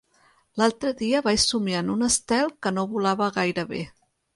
L'altre día vaig somiar en un estel que no volava gaire bé.